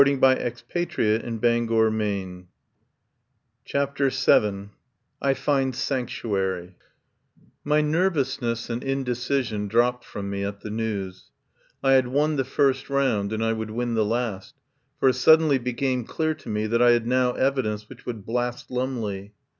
*S9 CHAPTER VII I FIND SANCTUARY, ' CHAPTER VII I FIND SANCTUARY TV yf"Y nervousness and indecision dropped ■*■▼■• from me at the news. I had won the first round, and I would win the last, for it suddenly became clear to me that I had now evidence which would blast Lumley.